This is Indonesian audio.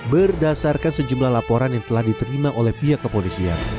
berdasarkan sejumlah laporan yang telah diterima oleh pihak kepolisian